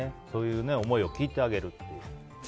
そういう思いを聞いてあげると。